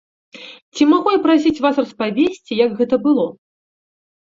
Ці магу я прасіць вас распавесці, як гэта было?